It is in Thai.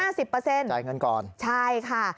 จ่ายเงินก่อนใช่ค่ะ